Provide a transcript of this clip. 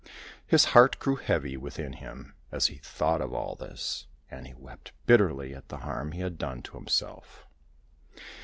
His heart grew heavy within him as he thought of all this, and he wept bitterly at the harm he had done to himself.